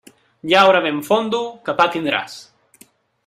Llaura ben fondo, que pa tindràs.